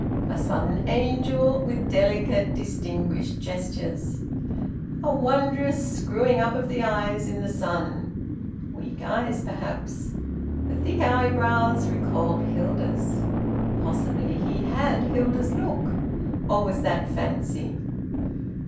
A sudden angel, with delicate distinguished gestures! ... A wondrous screwing up of the eyes in the sun! Weak eyes, perhaps! The thick eyebrows recalled Hilda's. Possibly he had Hilda's look! Or was that fancy?